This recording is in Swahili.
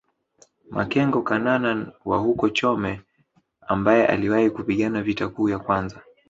Makengo Kanana wa huko Chome ambaye aliwahi kupigana vita kuu ya kwanza